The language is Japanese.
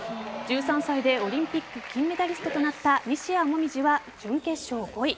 １３歳で、オリンピック金メダリストとなった西矢椛は準決勝５位。